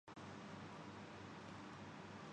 کے درمیان تلخی پر کبھی